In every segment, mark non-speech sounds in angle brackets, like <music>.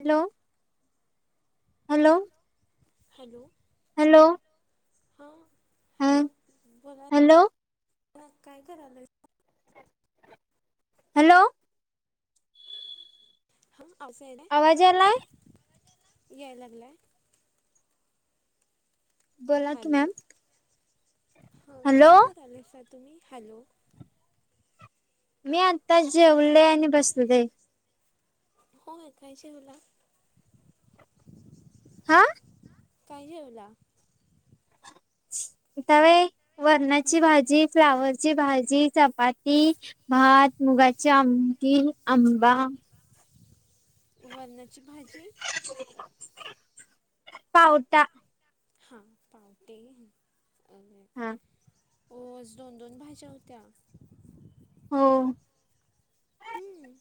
Hello hello. Hello. Hello. हा ह hello बोला हॅलो मला काय करायला. हॅलो. हा असं आहे ना. आवाजालाय. याय लागलंय. बोला की मॅम. ह हॅलो काय करायल तुम्ही हॅलो. मी आता जेवले आणि बसले. होय काय जेवला. हा. काय जेवला. त्यावे वरणाची हं भाजी फ्लावर्स. ची भाजी चपाती भात मुगाची आमठी आंबा. वरणाची भाजी. पावटा. हा पावटी आणि. हा. हो दोन दोन भाज्या होत्या. हो. हं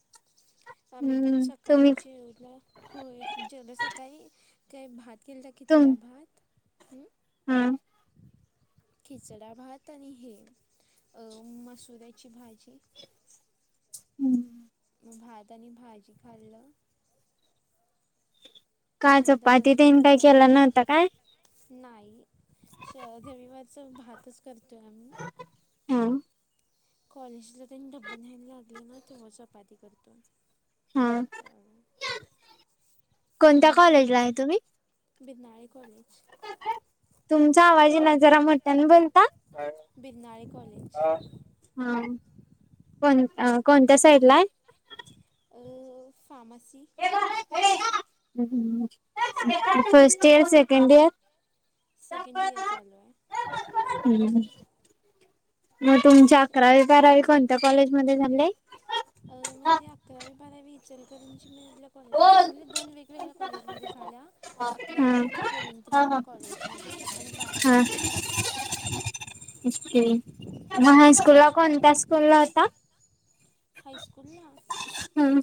आम्ही पण हम्म सकाळी तुम्ही जेवलं होय जेवढ सकाळी काही भात. केलता खिचडा भात. हम्म. खिचडा भात आणि हे अ मसुऱ्याची भाजी. हम्म. मग भात आणि भाजी खाल्लं. का आणि आता चपाती बसलो देन काय थोडा केला वेळ नव्हता काय. नाही शधवीवरच भातच करतोय आम्ही. हम! कॉलेजला त्यांनी डब्बल घ्यायला लागले ना तेव्हा चपाती करतो हा तर कोणत्या आणि काय कॉलेजला आहे तुम्ही? बिरनाळे कॉलेज तुमचा आवाज येना जरा मोठ्यान बोलता. बिरनाळे कॉलेज हा कोण कोणत्या साईड ला आहे. Pharmacy first second year. Second year चालू आहे मग तुमच्या तुमचं अकरावी बारावी कोणत्या कॉलेजमध्येध्ये झाले. अ म्हणजे अकरावी बारावी इचलकरणची ल कॉलेजमध्ये झाले दोन वेगवेगळ्या कॉलेजमध्ये झाल्या हा अकरावी झाल्या गोविंदराव कॉलेजमध्ये आणि बारावी एसीच्या अछे मग हायस्कूल ला कोणत्या स्कूल ला होता. हास्कूलला हम्म.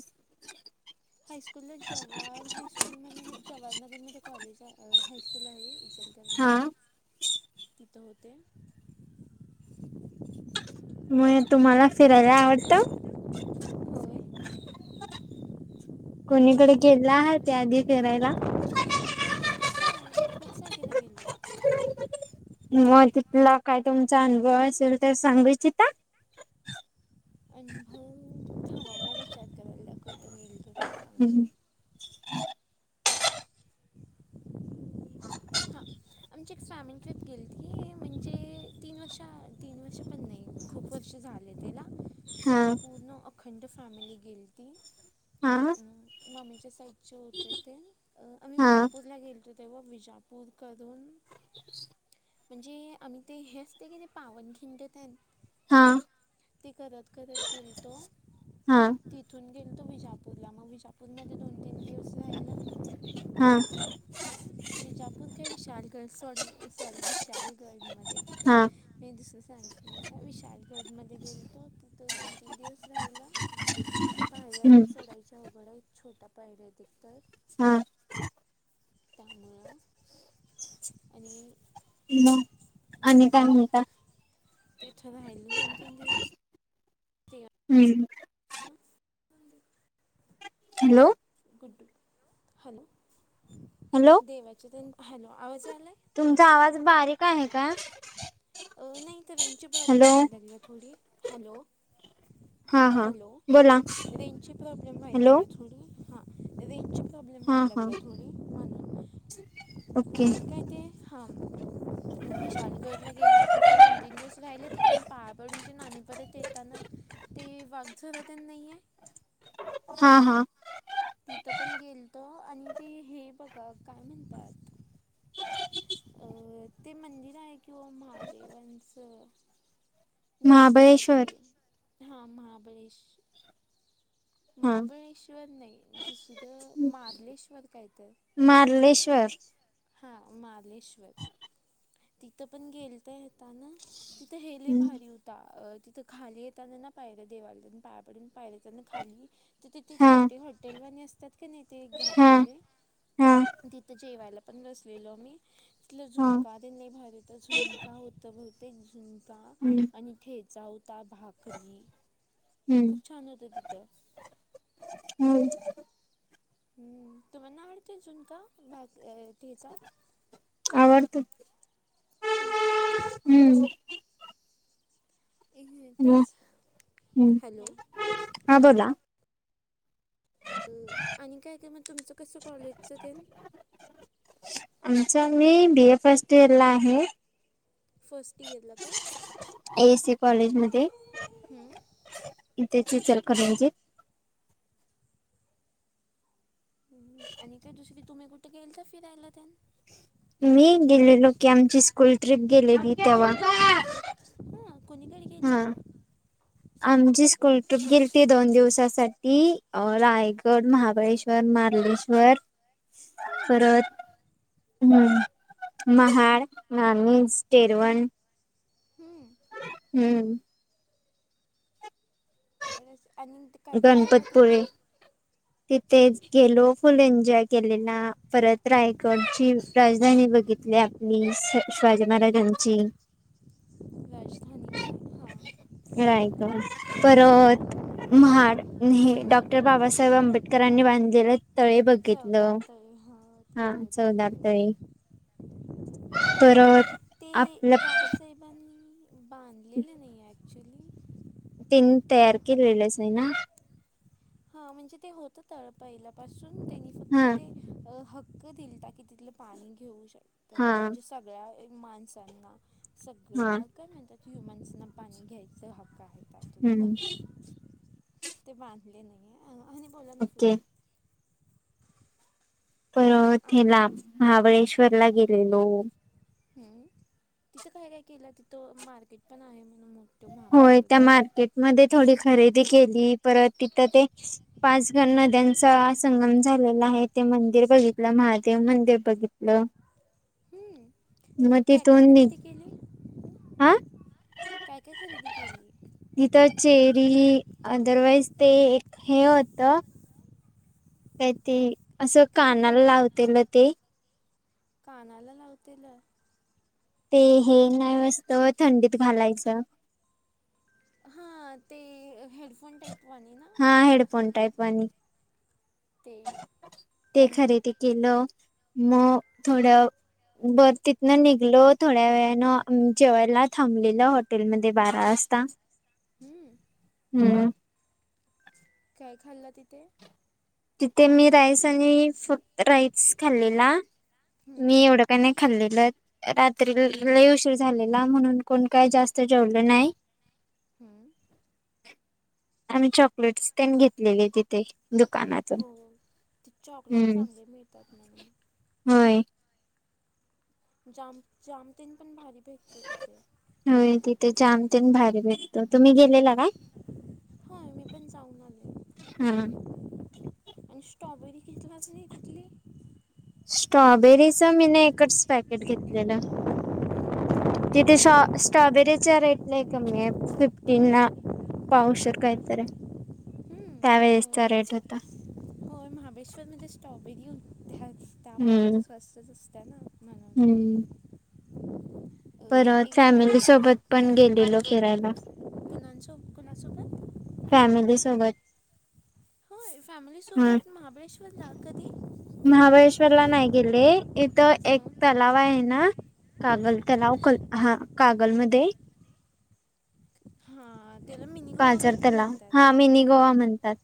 हायस्कूलला जवाहर हायस्कूल म्हणून एक जवाहर नगर मध्ये कॉलेज हायस्कूल आहे. हा इसर्गॅरेंजीमध्ये तिथं होते म तुम्हाला फिरायला आवडतं. होय. कोणीकडे गेला ह त्या आधी फिरायला. होय खूप सॅके ला गेलो. मग तिथला काय तुमचा अ--नुभव असेल तर सांगायचीित. अनुभव थांवा म विचारत वला कुठे गेल त त सांगतेो हा. हा. आमची एक फॅमिली ट्रिप गेली ती म्हणजे तीन वर्ष तीन वर्ष पण नाही खूप वर्ष झाली. ला हा सगळी पूर्ण अखंड फॅमिली गेली ती. हा. मामीच्या साईडचे होते ते आम्ही हा विजापूरला गेलतो तेव्हा विजापूर. बधकादून म्हणजे आम्ही ते हे असते ना पावनखिंड त्या हा ते करत करत गेलतो हा तिथून गेल तो विजापूरला मग विजापूरमध्ये दोन तीन दिवस हा. विजापूर काय विशाल गड सॉरी सॉरी विशाल गडमध्ये हा मी दुसरं सांगे विशालगडमध्ये गेलतो तिथं दोन तीन दिवस राहिलं. तिथे हम्म पायऱले चढायच्या अवघडा एक छोटा पायऱ आहेत तर. हम. मुळां आणि हॅलो! आणि काय म्हणता. ते इथो रा हहि ना दोन तीन दिवस. ते हम्म. <unintelligible> हॅलो! गुड हॅलो हॅलो देवाचा द हॅलो आवाज आलाय. तुमचा आवाज बारीक आहे का. नाही तर इथे रेंज ची प्रॉब्लेम हॅलो व्हायला लागली थोडी हॅलो! हा हा हॅलो! बोला रेंज प्रॉब्लेम व्हाय हॅलो लागली थोडी हां रेंजची प्रॉब्लेम हा व्हायला हा लागली थोडी ओके. आपल्याचे हांब. विशालगडला गेल तो तिथून दोन तीन दिवस राहिले तिथून पाया पडून ते नाणी परत येताना ते वाघ झारा तेन नाहीये. हा हा. तिथं पण गेलत आणि ते हे बघा काय म्हणतात. ते मंदिर आहे किंवा महादेवांच महाबळेश्वर डोंगरावरती हा महाबळेश हा महाबळेश्वर नाही दुसरं मार्लेश्वर काय तर मलेश्वर हा मालेश्वर तिथं पण गेल तर येता ना. तिथं हेले भारी होता अ तिथं खाली येताना ना पाहिर देवालतून पाया पडून पायर खाली तर तिथे हा छोटे हॉटेलवाणी असतात का नाही ते हा घातलेले हा तिथं जेवायला पण बसलेलो मी इथलं हा झुणका ते नाही भर तर झुणका होतं बहुतेक झुण हम्म आणि खेचा होता भाकरी हम्म खूप छान होते ति हम्म. हम्म तुम्हा ना अडतेजून का भाग. आवडतो ठीच. हम्म. तेच हम्म हॅलो. हा बोला. आणि काय काय मग तुमचं कसं कॉलेजचं तेन आमच आम्ही बी ए फर्स्ट इयरला आहे. फर्स्ट इयरला काय ए एस सीकॉलेज मध्ये इथेचीचलकर रंजित आणि काय दुसरी तुम्ही कुठे गेईल तर फिरायला त्यान मी गेलेलो की आमची स्कूल ट्रिप गेलेली तेव्हा हा कोणीकडे गेल. हा <unintelligible> आमची स्कूल ट्रिप गेली ती दोन दिवसासाठी रायगड महाबळेश्वर श्वर मारलेश्वर हम्म परत हम्म महाळ नाान टेरवण हम. हम्म. तर आणि काय काय केलं गणपतपुरे तिथे तिथे गेलो फुल एन्जॉय केलेला परत रायगडची राजधानी बघितली. मी शिवाजी हम्म महाराजांची राजधानी काय हा रायक पर रथ म्हाड हे डॉक्टर बाबासाहेब आंबेडकरांनी बांधलेलं. तळे बघितलं चौदार तळी ते हा चौदार तळी तळे परत आपलं. पण बांधलेलं नाही आहे ॲक्च्युली तीन तयार केलेलंच ना. हा म्हणजे ते होतं तळ पाहिलापासून त्यांनी फक्त हा ते अ हक्क दिल की तिथलं पाणी घेऊ शक त्या हा म्हणजे सगळ्या माणसांना हा सगळ्या. काय म्हणतात ह्युमान्सांना पाणी घ्यायचा हक्क आहे. त्यातून हम्म. म्हणून ते बांधले नाही. आणि बोला ना झाले. ओके परत आम्ही हेला, महाबळेश्वरला गेलेलो. हम्म. तिथं काय- काय केलं? तिथं मार्केट पण आहे म्हण मो होय. त्या मार्केटमध्ये थोडी खरेदी केली. परत तिथं ते पाचगण नद्यांचा संगम झालेला आहे, ते मंदिर बघितलं. महादेव मंदिर बघित हम्म. अ मग काय- काय तिथून नि खरेदी केली? हा काय- काय खरेदी केली? तिथं चेरी. अदरवाईज ते एक हे होतं. काय ते? अ, असं काय तिथं कानाला लावतेल ते. कानाला लावतेल? ते हे, नाही अस्तं थंडीत घालायचं. हा, ते हेडफोन टाईपवाणी ना. हा, हेडफोन टाईप वानी. ते ते आणि खरेदी केलं. मग थोडं बरं. तिथनं निघलो, थोड्या वेळानं जेवायला थांबलेलं हॉटेलमध्ये, बारा वाजता. <inaudible> हम्. हम्म. काय, खाल्लं तिथे? तिथे मी, राईस आणि फक्त राईस खाल्लेला. हम्म मी एवढं काने खाल्लेलं. रात्री लय उशीर झालेला म्हणून, कोण काय जास्त जेवलं नाही. हम्म. आम्ही चॉकलेट्स ते न घेतलेले, तिथे. दुकानात. हो. ती चॉकलेट चांगले मिळतात, म्हण. होय. जाम, जामतेन पण भारी भेटतो, तिथे. होय. तिथे जाम ते न भारी भेट तर तुम्ही गेलेला काय? होय मी पण जाऊन आले हा. आणि स्ट्रॉबेरी कितिला <unintelligible> तिथली? स्ट्रॉबेरीच मी न एकच पॅकेट घेतलेलं. तिथे शॉ -स्ट्रॉबेरीचा रेट लय कमीय. फिफ्टीनना पावशर काय तर. हम्म होय. होय महाबळेश्वरमध्ये स्ट्रॉबेरी उगत्यात. त्यामध्ये ज स्वस्तच असतं ना, म्हण हम. अ परत, एकच फॅमिली मिनिट सोबत पण गेलेलो फिरायला. कुणांसो कुणासोबत फॅमिली सोबत होय. हा फॅमिलीसोबत महाबळेश्वरला! कधी? महाबळेश्वरला नाही गेले. इथं एक मग तलाव आहे ना. कागल तलाव. कल हा, कागल मध्ये. हा. पाजर तलाव. हा, मिनी गोवा म्हणतात.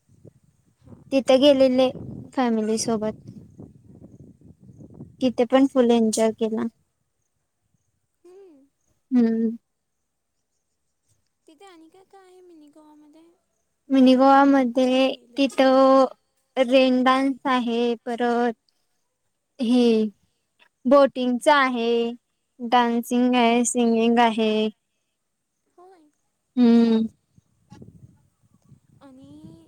हां तिथ गेलेले. फॅमिली सोबत. तिथे पण फुल एन्जॉय केला. हम्म. हम. तिथे आणि काय -काय आहे, मिनी गोवा मध्ये? मिनी गोवा मध्ये, नाही तिथं रेनडान्स आहे. परत हे हम्म. बोटिंगचा आहे. डान्सिंगय, सिंगिंग आहे. होय हम. आणि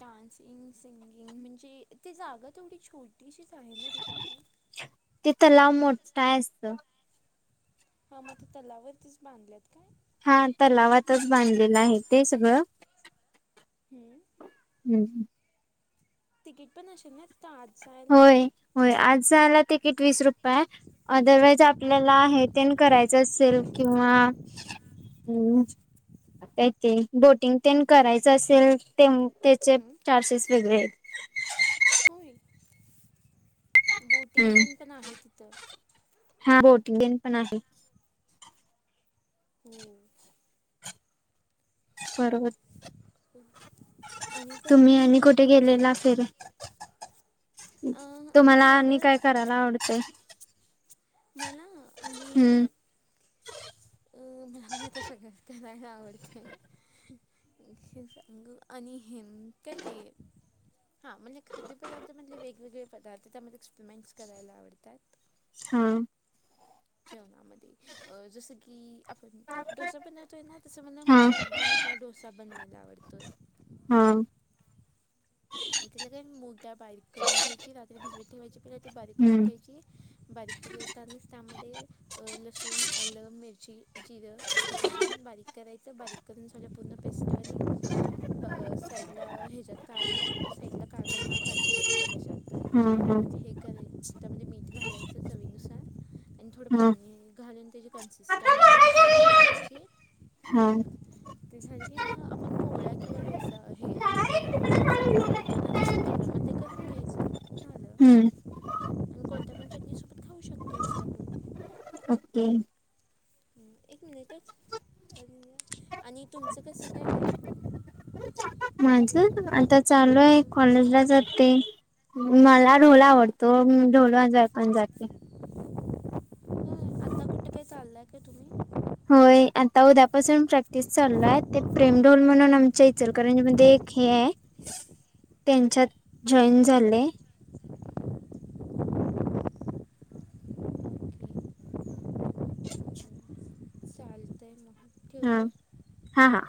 डान्सिंग सिंगिंग म्हणजे, ती जागा तेवढी छोटीशीच आहे ना ती <unintelligible> ते तलाव मोठं हाय आसत. हा मग ते तलावरतीच बांधल्यात काय? हा तलावातच बांधलेलं आहे ते सगळं. हम्म. हम हम. तिकीट पण आशिलना, तिथं आत जायला. व्हयं. आत जायला तिकीट वीस रुपय हाय. अदरवाईज. आपल्याला हे तेन करायचं असेल किंवा, हम. काय ते बोटिंग तेन करायचं असेल तेव्हा, त्येचे हम्म. चार्जेस वेगळेत. होय. बोटिंग हम्म तेन पण आहे तिथं. हा बोटिंग डेन पण आहे. हो. बरोबर. आणि काय तुम्ही काय आणि मग कुठे तुमचं? गेलेला फिराय? अ आम्ही तुम्हाला आणि तेवढंच काय करायला आवडतय. मला आणि, हम्म अ- मला घरातल सगळंच करायला आवडतंय. <inaudible> आणि हे, काय ते. हां, म्हणजे खाद्यपदार्थ मधले वेगवेगळे पदार्थ त्यामध्ये एक्सप्रीमेंट्स करायला आवडतात. हा. जेवणामध्ये. अ-जसं की, आपण डोसा बनवतोय ना, तसं मला हा मूग डाळचा डोसा बनवायला आवडतोय. हा. तिला काय मूग डाळ बारीक करून घ्यायची. रात्री भिजवीत ठेवायची परत ती बारीक करून हम्म घ्यायची. बारीक करतानाच त्यामध्ये, लसूण आलं मिरची जिरं घालून बारीक. करायचं बारीक करून सगळं, पूर्ण पेस्ट आणि साईडला हेच्यात काढून. साईटला काडून ना, पातेलात किंवा कशात तर. हा.. हा.. मीठ घालायचं चवीनुसार आणि थोडं हा पाणी घालून त्यांची, कन्सिस्टन्सी सेट करायची. हां. ते झालं की मग, आपण पोळ्या किंवा डोसा हे आंबोळी. डोसा आपण जे करतो ना तसं तव्यामध्ये करून घ्यायचं झालं हम्म आणि कोणत्या पण चटणीसोबत खाऊ शकतो मग आपण ओके. हं, एक मिनिटच, आणि तुमचं कसं काय? माझं आता चालू आहे, कॉलेजला जाते. मला ढोल हं, हं, आवडतो. मग ढोल वाजवाय पण जाते. चालाय काय तुम्ही? होय. आता उद्यापासून प्रॅक्टिस चालू हाय. ते प्रेम ढोल म्हणून आमच्या इचलकरंजी मध्ये एक, हे हं, तेनच्यात जॉईन झाले. ओके <inaudible> हुतय मग. हां. ठेवते हा. हा..